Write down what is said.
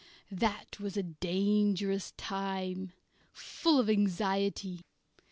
That was a dangerous time, full of anxiety.